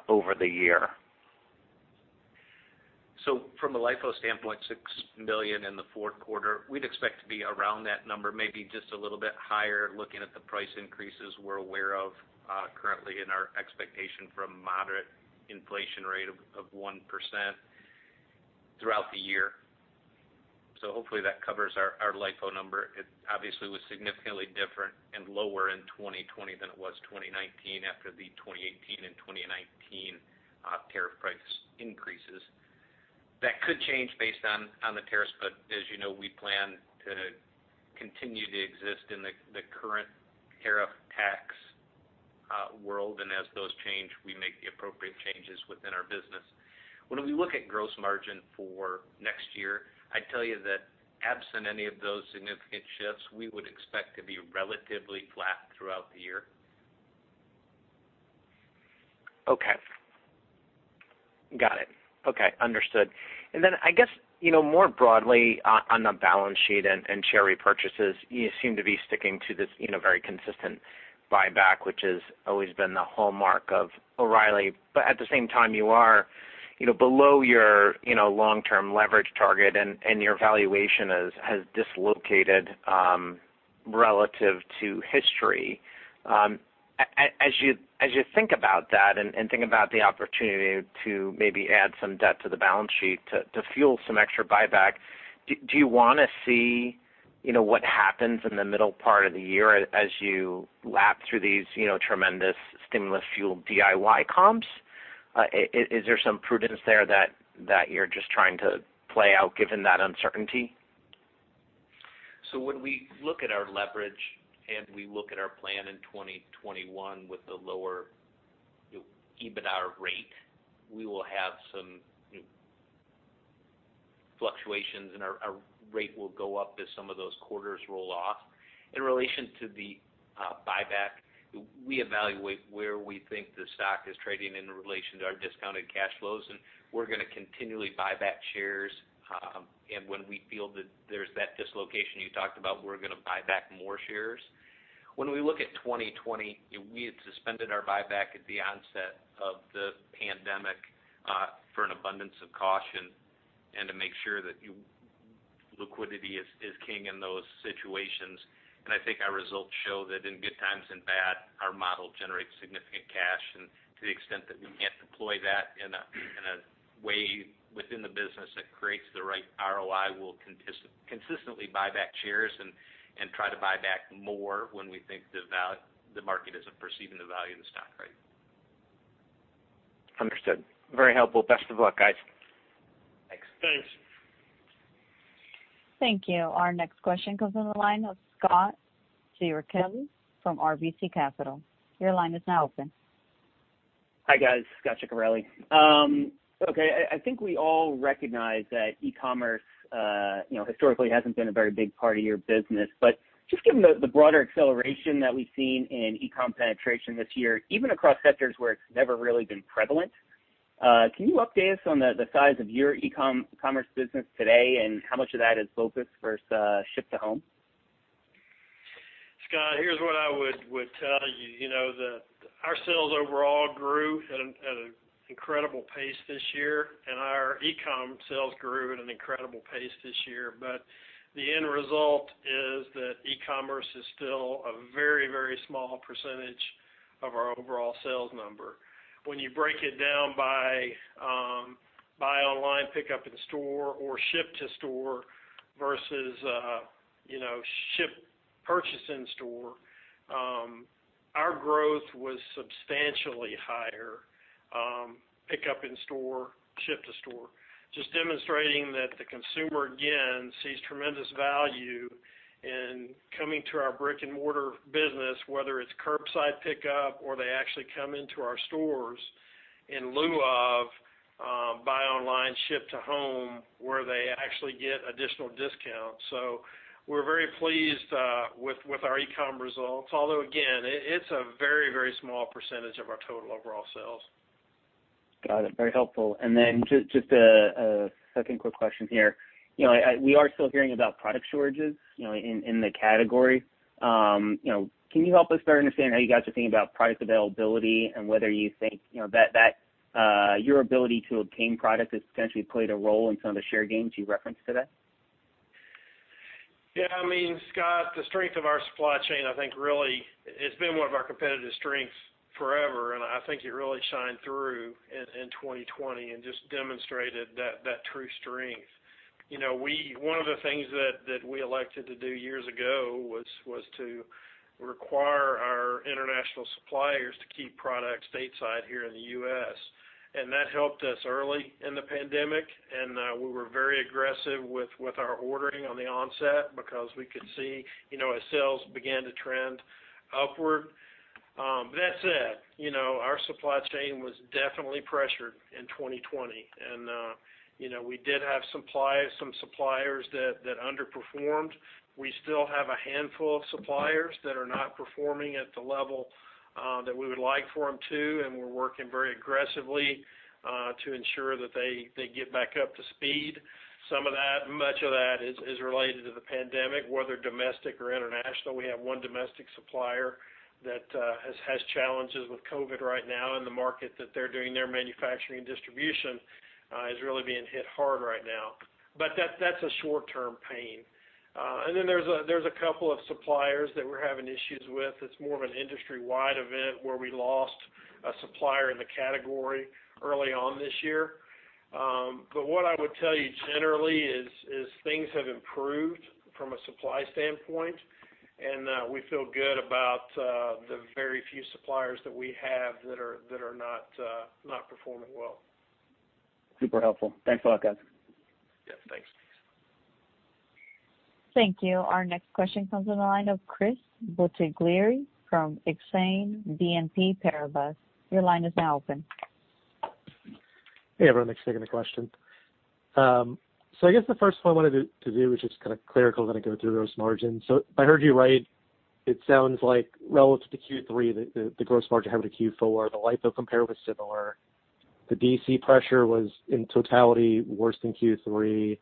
G: over the year?
B: From a LIFO standpoint, $6 million in the fourth quarter, we'd expect to be around that number, maybe just a little bit higher, looking at the price increases we're aware of currently and our expectation for a moderate inflation rate of 1% throughout the year. Hopefully that covers our LIFO number. It obviously was significantly different and lower in 2020 than it was 2019 after the 2018 and 2019 tariff price increases. That could change based on the tariffs, but as you know, we plan to continue to exist in the current tariff tax world, and as those change, we make the appropriate changes within our business. When we look at gross margin for next year, I'd tell you that absent any of those significant shifts, we would expect to be relatively flat throughout the year.
G: Okay. Got it. Okay. Understood. Then, I guess, more broadly on the balance sheet and share repurchases, you seem to be sticking to this very consistent buyback, which has always been the hallmark of O’Reilly. At the same time, you are below your long-term leverage target and your valuation has dislocated relative to history. As you think about that and think about the opportunity to maybe add some debt to the balance sheet to fuel some extra buyback, do you want to see what happens in the middle part of the year as you lap through these tremendous stimulus fuel DIY comps? Is there some prudence there that you're just trying to play out given that uncertainty?
B: When we look at our leverage and we look at our plan in 2021 with the lower EBITDA rate, we will have some fluctuations, and our rate will go up as some of those quarters roll off. In relation to the buyback, we evaluate where we think the stock is trading in relation to our discounted cash flows, and we're going to continually buy back shares. When we feel that there's that dislocation you talked about, we're going to buy back more shares. When we look at 2020, we had suspended our buyback at the onset of the pandemic for an abundance of caution and to make sure that liquidity is king in those situations. I think our results show that in good times and bad, our model generates significant cash. To the extent that we can't deploy that in a way within the business that creates the right ROI, we'll consistently buy back shares and try to buy back more when we think the market isn't perceiving the value of the stock right.
G: Understood. Very helpful. Best of luck, guys.
C: Thanks.
A: Thank you. Our next question comes from the line of Scot Ciccarelli from RBC Capital. Your line is now open.
H: Hi, guys. Scot Ciccarelli. Okay, I think we all recognize that e-commerce historically hasn't been a very big part of your business, but just given the broader acceleration that we've seen in e-com penetration this year, even across sectors where it's never really been prevalent. Can you update us on the size of your e-commerce business today and how much of that is focused versus ship to home?
C: Scot, here's what I would tell you. Our sales overall grew at an incredible pace this year, and our e-com sales grew at an incredible pace this year. The end result is that e-commerce is still a very small percentage of our overall sales number. When you break it down by online pickup in store or ship to store versus purchase in store, our growth was substantially higher pickup in store, ship to store. Just demonstrating that the consumer, again, sees tremendous value in coming to our brick-and-mortar business, whether it's curbside pickup or they actually come into our stores in lieu of buy online, ship to home, where they actually get additional discounts. We're very pleased with our e-com results. Although, again, it's a very small percentage of our total overall sales.
H: Got it. Very helpful. Just a second quick question here. We are still hearing about product shortages in the category. Can you help us better understand how you guys are thinking about product availability and whether you think that your ability to obtain product has potentially played a role in some of the share gains you referenced today?
C: Yeah, Scot, the strength of our supply chain, I think really it's been one of our competitive strengths forever, and I think it really shined through in 2020 and just demonstrated that true strength. One of the things that we elected to do years ago was to require our international suppliers to keep product stateside here in the U.S., and that helped us early in the pandemic. We were very aggressive with our ordering on the onset because we could see as sales began to trend upward. That said, our supply chain was definitely pressured in 2020. We did have some suppliers that underperformed. We still have a handful of suppliers that are not performing at the level that we would like for them to, and we're working very aggressively to ensure that they get back up to speed. Much of that is related to the pandemic, whether domestic or international. We have one domestic supplier that has challenges with COVID right now, and the market that they're doing their manufacturing and distribution is really being hit hard right now. That's a short-term pain. Then there's a couple of suppliers that we're having issues with. It's more of an industry-wide event where we lost a supplier in the category early on this year. What I would tell you generally is things have improved from a supply standpoint, and we feel good about the very few suppliers that we have that are not performing well.
H: Super helpful. Thanks a lot, guys.
C: Yeah, thanks.
A: Thank you. Our next question comes on the line of Chris Bottiglieri from Exane BNP Paribas. Your line is now open.
I: Hey, everyone. Thanks for taking the question. I guess the first point I wanted to do is just kind of clerical, let me go through gross margins. If I heard you right, it sounds like relative to Q3, the gross margin having a Q4, the LIFO compare was similar. The DC pressure was in totality worse than Q3.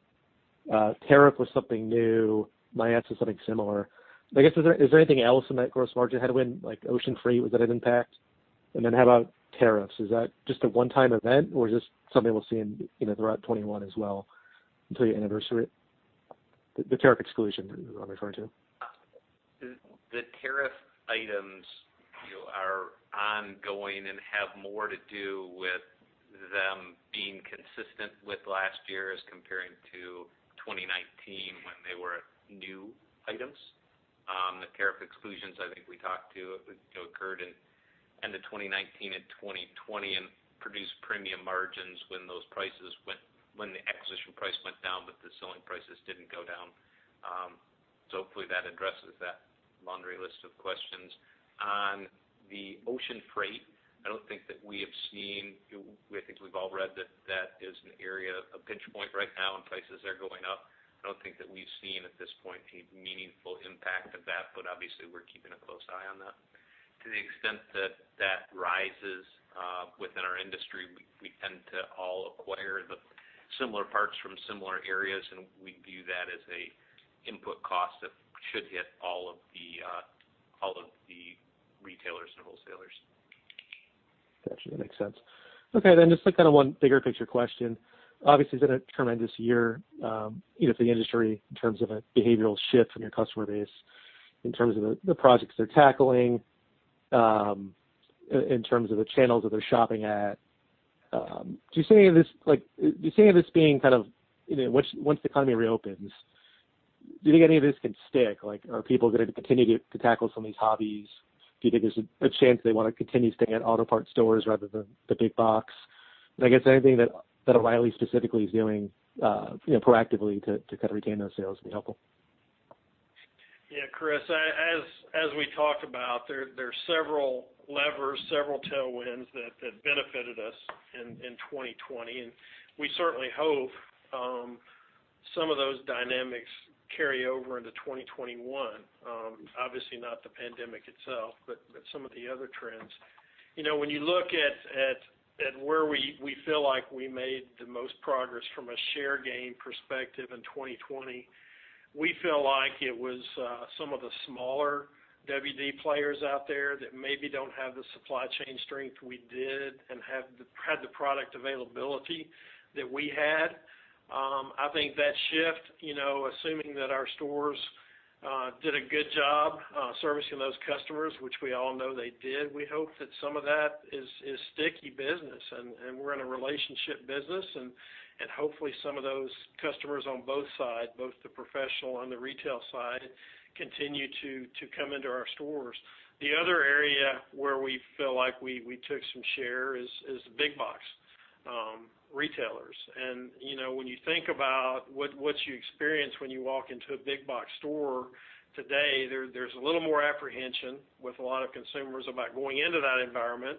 I: Tariff was something new. My answer is something similar. I guess, is there anything else in that gross margin headwind, like ocean freight, was that an impact? Then how about tariffs? Is that just a one-time event or is this something we'll see throughout 2021 as well until your anniversary? The tariff exclusion I'm referring to.
C: The tariff items are ongoing and have more to do with them being consistent with last year as comparing to 2019 when they were new items. The tariff exclusions I think we talked to occurred in 2019 and 2020 and produced premium margins when the acquisition price went down, but the selling prices didn't go down. Hopefully that addresses that laundry list of questions. On the ocean freight, I don't think that we have seen, I think we've all read that is an area of pinch point right now and prices are going up. I don't think that we've seen at this point a meaningful impact of that, but obviously we're keeping a close eye on that. To the extent that that rises within our industry, we tend to all acquire the similar parts from similar areas, and we view that as an input cost that should hit all of the retailers and wholesalers.
I: Got you. That makes sense. Okay, just one bigger picture question. Obviously, it's been a tremendous year for the industry in terms of a behavioral shift from your customer base, in terms of the projects they're tackling, in terms of the channels that they're shopping at. Do you see any of this being kind of once the economy reopens, do you think any of this can stick? Are people going to continue to tackle some of these hobbies? Do you think there's a chance they want to continue staying at auto part stores rather than the big box? I guess anything that O'Reilly specifically is doing proactively to kind of retain those sales would be helpful.
C: Yeah, Chris, as we talked about, there are several levers, several tailwinds that benefited us in 2020. We certainly hope some of those dynamics carry over into 2021. Obviously not the pandemic itself, but some of the other trends. When you look at where we feel like we made the most progress from a share gain perspective in 2020, we feel like it was some of the smaller WD players out there that maybe don't have the supply chain strength we did and had the product availability that we had. I think that shift, assuming that our stores did a good job servicing those customers, which we all know they did, we hope that some of that is sticky business. We're in a relationship business, and hopefully some of those customers on both sides, both the professional and the retail side, continue to come into our stores. The other area where we feel like we took some share is the big box retailers. When you think about what you experience when you walk into a big box store today, there's a little more apprehension with a lot of consumers about going into that environment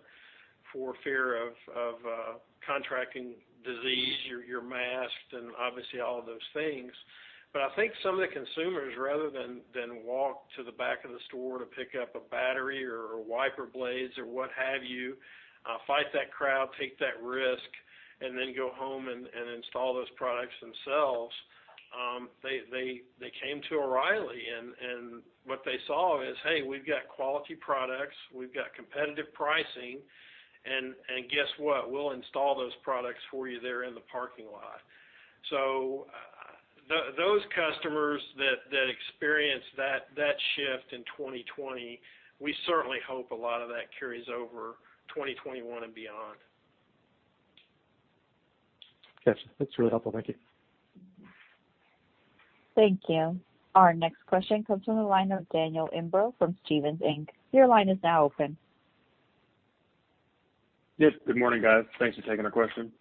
C: for fear of contracting disease. You're masked and obviously all of those things. I think some of the consumers, rather than walk to the back of the store to pick up a battery or wiper blades or what have you, fight that crowd, take that risk, and then go home and install those products themselves, they came to O’Reilly. What they saw is, hey, we've got quality products, we've got competitive pricing, and guess what? We'll install those products for you there in the parking lot. Those customers that experienced that shift in 2020, we certainly hope a lot of that carries over 2021 and beyond.
I: Got you. That's really helpful. Thank you.
A: Thank you. Our next question comes from the line of Daniel Imbro from Stephens Inc. Your line is now open.
J: Yes, good morning, guys. Thanks for taking the question.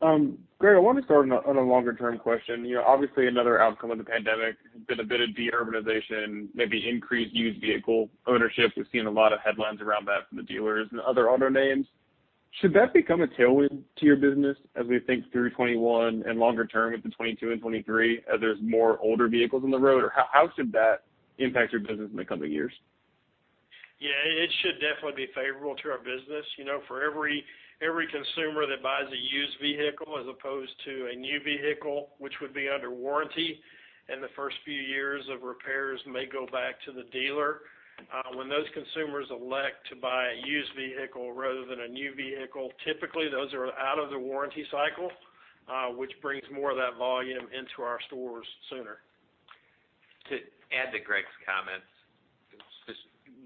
J: Greg, I want to start on a longer-term question. Obviously, another outcome of the pandemic has been a bit of de-urbanization, maybe increased used vehicle ownership. We've seen a lot of headlines around that from the dealers and other auto names. Should that become a tailwind to your business as we think through 2021 and longer term into 2022 and 2023, as there's more older vehicles on the road? How should that impact your business in the coming years?
C: Yeah, it should definitely be favorable to our business. For every consumer that buys a used vehicle as opposed to a new vehicle, which would be under warranty in the first few years of repairs, may go back to the dealer. Those consumers elect to buy a used vehicle rather than a new vehicle, typically, those are out of the warranty cycle, which brings more of that volume into our stores sooner.
B: To add to Greg's comments,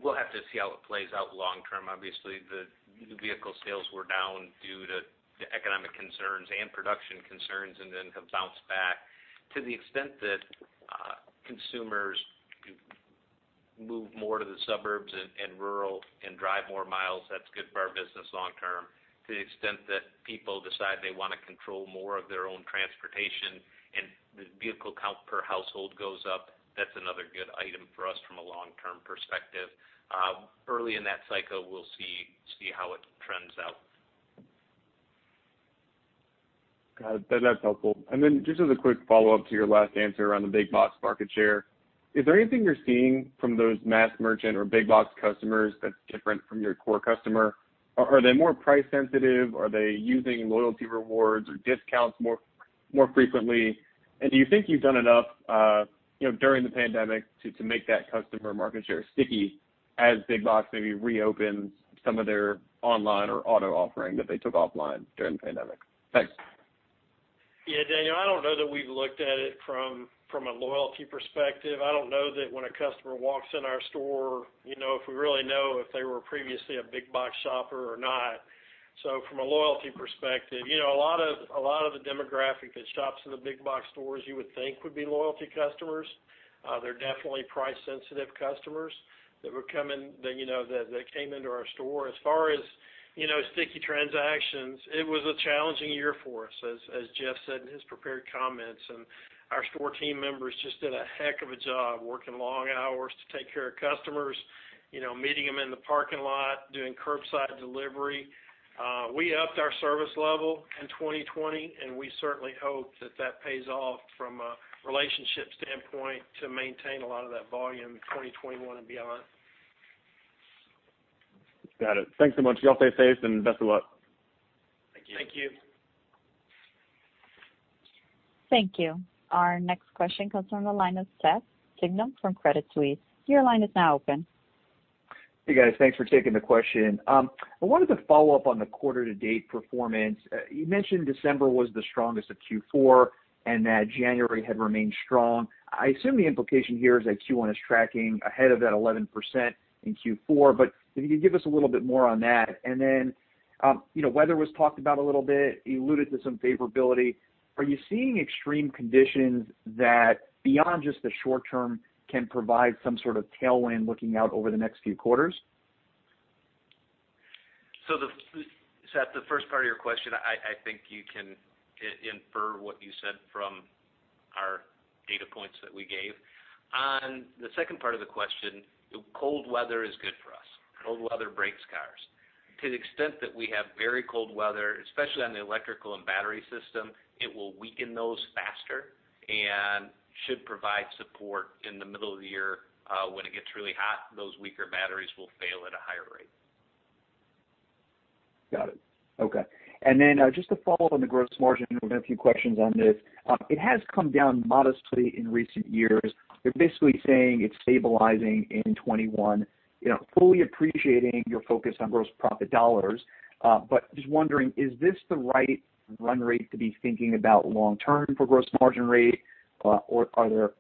B: we'll have to see how it plays out long term. Obviously, the new vehicle sales were down due to economic concerns and production concerns and then have bounced back. To the extent that consumers move more to the suburbs and rural and drive more miles, that's good for our business long term. To the extent that people decide they want to control more of their own transportation and the vehicle count per household goes up, that's another good item for us from a long-term perspective. Early in that cycle, we'll see how it trends out.
J: Got it. That's helpful. Just as a quick follow-up to your last answer around the big box market share, is there anything you're seeing from those mass merchant or big box customers that's different from your core customer? Are they more price sensitive? Are they using loyalty rewards or discounts more frequently? Do you think you've done enough during the pandemic to make that customer market share sticky as big box maybe reopens some of their online or auto offering that they took offline during the pandemic? Thanks.
C: Yeah, Daniel, I don't know that we've looked at it from a loyalty perspective. I don't know that when a customer walks in our store, if we really know if they were previously a big box shopper or not. From a loyalty perspective, a lot of the demographic that shops in the big box stores you would think would be loyalty customers. They're definitely price-sensitive customers that came into our store. As far as sticky transactions, it was a challenging year for us, as Jeff said in his prepared comments, and our store team members just did a heck of a job working long hours to take care of customers, meeting them in the parking lot, doing curbside delivery. We upped our service level in 2020, and we certainly hope that that pays off from a relationship standpoint to maintain a lot of that volume in 2021 and beyond.
J: Got it. Thanks so much. You all stay safe and best of luck.
C: Thank you.
B: Thank you.
A: Thank you. Our next question comes from the line of Seth Sigman from Credit Suisse.
K: Hey, guys. Thanks for taking the question. I wanted to follow up on the quarter to date performance. You mentioned December was the strongest of Q4 and that January had remained strong. I assume the implication here is that Q1 is tracking ahead of that 11% in Q4. If you could give us a little bit more on that. Weather was talked about a little bit. You alluded to some favorability. Are you seeing extreme conditions that, beyond just the short term, can provide some sort of tailwind looking out over the next few quarters?
B: Seth, the first part of your question, I think you can infer what you said from our data points that we gave. The second part of the question, cold weather is good for us. Cold weather breaks cars. To the extent that we have very cold weather, especially on the electrical and battery system, it will weaken those faster and should provide support in the middle of the year when it gets really hot. Those weaker batteries will fail at a higher rate.
K: Got it. Okay. Just to follow up on the gross margin, we've had a few questions on this. It has come down modestly in recent years. You're basically saying it's stabilizing in 2021. Fully appreciating your focus on gross profit dollars, but just wondering, is this the right run rate to be thinking about long-term for gross margin rate? Are there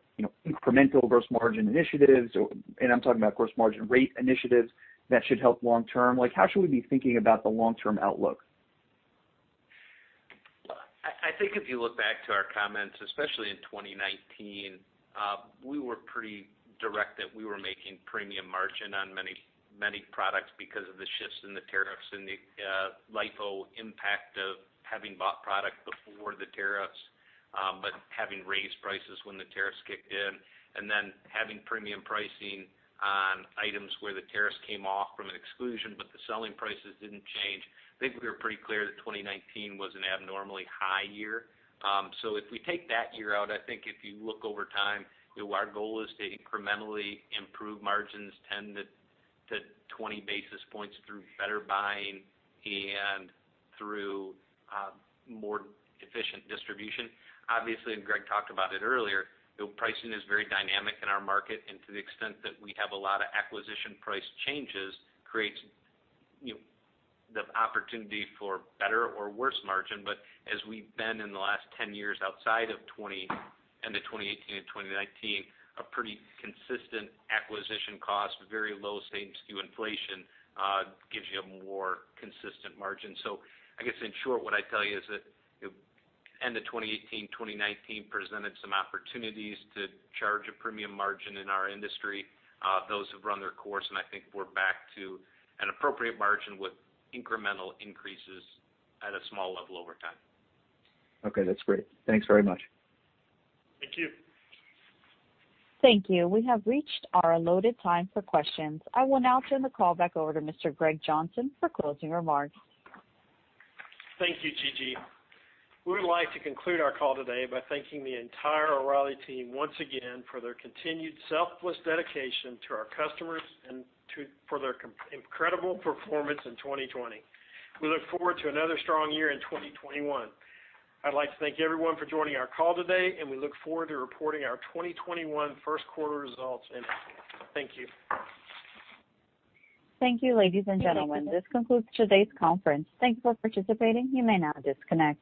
K: incremental gross margin initiatives, and I'm talking about gross margin rate initiatives, that should help long-term? How should we be thinking about the long-term outlook?
B: I think if you look back to our comments, especially in 2019, we were pretty direct that we were making premium margin on many products because of the shifts in the tariffs and the LIFO impact of having bought product before the tariffs, but having raised prices when the tariffs kicked in, and then having premium pricing on items where the tariffs came off from an exclusion, but the selling prices didn't change. I think we were pretty clear that 2019 was an abnormally high year. If we take that year out, I think if you look over time, our goal is to incrementally improve margins 10 basis points to 20 basis points through better buying and through more efficient distribution. Obviously, Greg talked about it earlier, pricing is very dynamic in our market, and to the extent that we have a lot of acquisition price changes creates the opportunity for better or worse margin. As we've been in the last 10 years outside of 2020 and the 2018 and 2019, a pretty consistent acquisition cost, very low same-store inflation gives you a more consistent margin. I guess in short, what I'd tell you is that end of 2018, 2019 presented some opportunities to charge a premium margin in our industry. Those have run their course, and I think we're back to an appropriate margin with incremental increases at a small level over time.
K: Okay, that's great. Thanks very much.
B: Thank you.
A: Thank you. We have reached our allotted time for questions. I will now turn the call back over to Mr. Greg Johnson for closing remarks.
C: Thank you, Gigi. We would like to conclude our call today by thanking the entire O’Reilly team once again for their continued selfless dedication to our customers and for their incredible performance in 2020. We look forward to another strong year in 2021. I'd like to thank everyone for joining our call today, and we look forward to reporting our 2021 first quarter results in April. Thank you.
A: Thank you, ladies and gentlemen. This concludes today's conference. Thanks for participating. You may now disconnect.